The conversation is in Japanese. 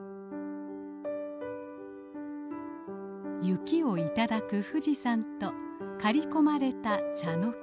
雪を頂く富士山と刈り込まれたチャノキ。